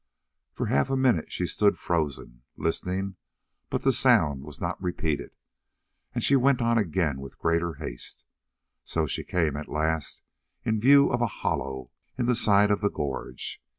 For half a minute she stood frozen, listening, but the sound was not repeated, and she went on again with greater haste. So she came at last in view of a hollow in the side of the gorge.